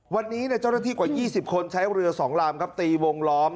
วันนี้เนี่ยเจ้าหน้าที่กว่ายี่สิบคนใช้เรือสองลามครับตีวงล้อม